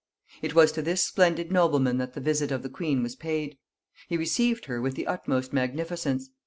It was to this splendid nobleman that the visit of the queen was paid. He received her with the utmost magnificence.